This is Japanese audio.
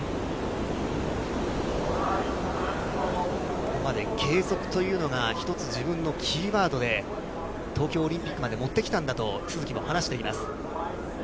ここまで継続というのが一つ、自分のキーワードで、東京オリンピックまで持ってきたんだと、都筑は話しています。